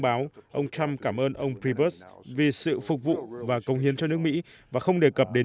báo ông trump cảm ơn ông pribus vì sự phục vụ và công hiến cho nước mỹ và không đề cập đến